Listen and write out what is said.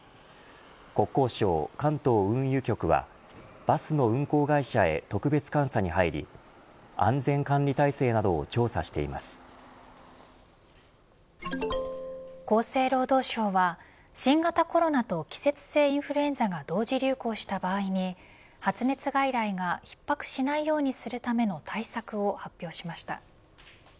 国交省、関東運輸局はバスの運行会社へ特別監査に入り安全管理体制などを厚生労働省は新型コロナと季節性インフルエンザが同時流行した場合に発熱外来がひっ迫しないようにするための対策を発表しました。